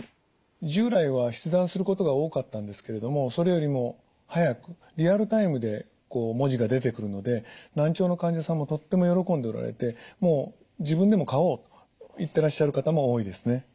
従来は筆談することが多かったんですけれどもそれよりも早くリアルタイムで文字が出てくるので難聴の患者さんもとっても喜んでおられてもう「自分でも買おう」と言ってらっしゃる方も多いですね。